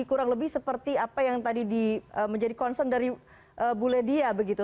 kurang lebih seperti apa yang tadi menjadi concern dari bu ledia begitu